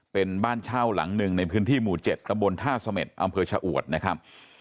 เป็นบ้านเช่าหลังนึงในพื้นที่หมู่๗ตธสมชต์อชอวดนะครับ